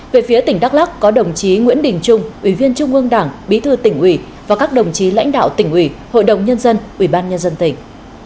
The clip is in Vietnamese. về phía tỉnh đắk lắc có đồng chí nguyễn đình trung ủy viên trung ương đảng bí thư tỉnh ủy và các đồng chí lãnh đạo tỉnh ủy hội đồng nhân dân ủy ban nhân dân tỉnh